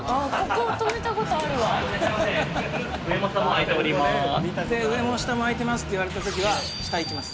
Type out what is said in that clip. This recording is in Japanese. こことめたことあるわ「上も下も空いてます」って言われた時は下行きます